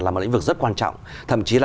là một lĩnh vực rất quan trọng thậm chí là